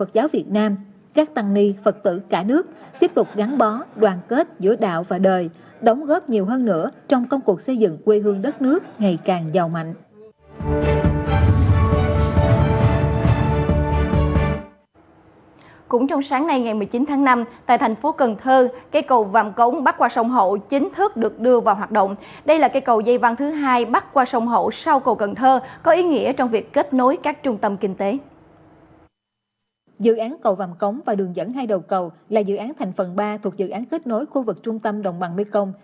cầu vàm cống và đường dẫn hai đầu cầu là dự án thành phần ba thuộc dự án kết nối khu vực trung tâm đồng bằng mê công